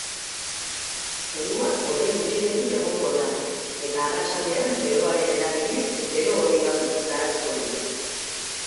Zerua hodei gutxirekin egongo da eta arratsaldean beroaren eraginez bero-hodei batzuk garatuko dira.